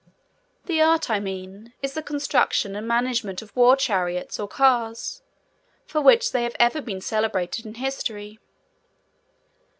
The art I mean, is the construction and management of war chariots or cars, for which they have ever been celebrated in history.